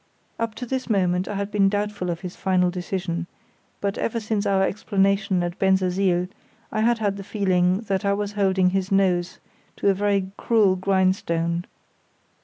Up to this moment I had been doubtful of his final decision; for ever since our explanation at Bensersiel I had had the feeling that I was holding his nose to a very cruel grindstone.